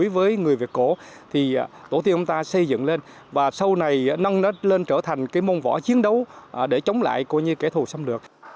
với người việt cổ thì tổ tiên chúng ta xây dựng lên và sau này lên trở thành cái môn võ chiến đấu để chống lại coi như kẻ thù xâm lược